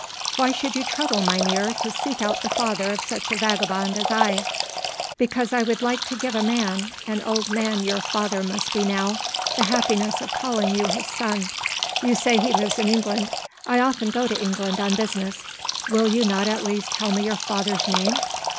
"Why should you trouble, mynheer, to seek out the father of such a vagabond as I?" "Because I would like to give a man an old man your father must be now the happiness of calling you his son. You say he lives in England. I often go to England on business. Will you not at least tell me your father's name?"